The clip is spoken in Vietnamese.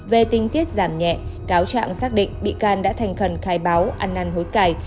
về tinh tiết giảm nhẹ cáo trạng xác định bị can đã thành khẩn khai báo ăn năn hối cài